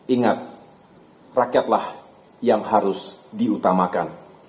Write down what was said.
ingat rakyatlah yang harus diutamakan